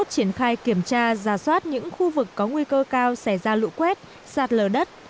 triển khai kiểm tra giả soát những khu vực có nguy cơ cao xảy ra lũ quét sạt lở đất